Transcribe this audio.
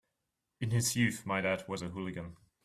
In his youth my dad was a hooligan.